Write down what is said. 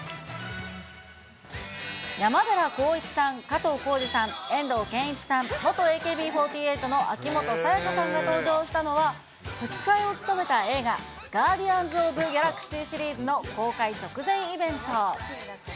山寺宏一さん、加藤浩次さん、遠藤憲一さん、元ＡＫＢ４８の秋元才加さんが登場したのは、吹き替えを務めた映画、ガーディアンズ・オブ・ギャラクシーシリーズの公開直前イベント。